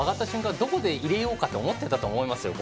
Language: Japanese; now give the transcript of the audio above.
どこで入れようかって思ってたと思いますよ。